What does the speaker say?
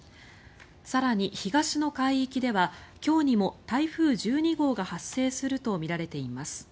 更に東の海域では今日にも台風１２号が発生するとみられています。